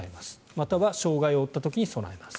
または障害を負った時に備えます。